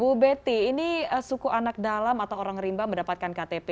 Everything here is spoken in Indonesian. bu betty ini suku anak dalam atau orang rimba mendapatkan ktp